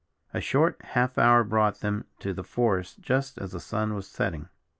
A short half hour brought them to the forest just as the sun was setting.